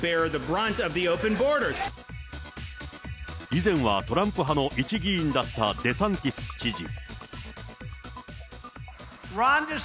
以前はトランプ派の一議員だったデサンティス知事。